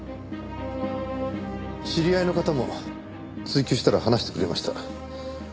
知り合いの方も追及したら話してくれました。